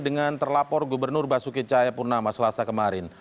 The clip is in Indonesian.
dengan terlapor gubernur basuki cahaya purnama selasa kemarin